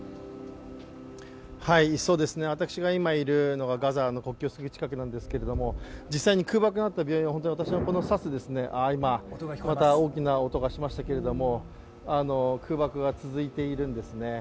そうですね、私が今いるのがガザの国境過ぎ近くなんですけれども実際に空爆があった病院はまた大きな音がしましたけれども空爆が続いているんですね。